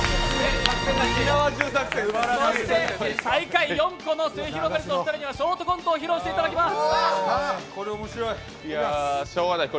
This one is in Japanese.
最下位、すゑひろがりずのお二人にはショートコントを披露していただきます。